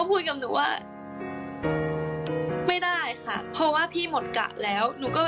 ผมเข้าใจมากที่มีสันแล้วทุกคน